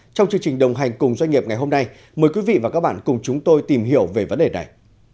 trong chương trình đồng hành cùng doanh nghiệp ngày hôm nay mời quý vị và các bạn cùng chúng tôi tìm hiểu về vấn đề này